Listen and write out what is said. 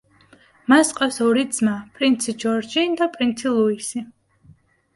მას ჰყავს ორი ძმა, პრინცი ჯორჯი და პრინცი ლუისი.